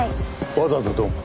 わざわざどうも。